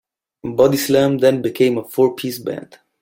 Bodyslam then became a four-piece band.